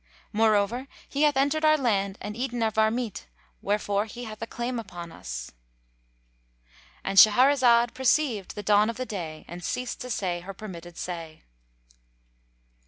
Moreover, he hath entered our land and eaten of our meat; wherefore he hath a claim upon us."—And Shahrazad perceived the dawn of day and ceased to say her permitted say.